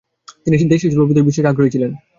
তিনি দেশীয় শিল্প-প্রতিষ্ঠায় বিশেষ আগ্রহী ছিলেন।